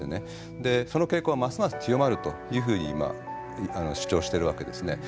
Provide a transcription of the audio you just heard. でその傾向はますます強まるというふうに主張してるわけですね。